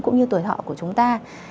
cũng như tuổi họ của chúng ta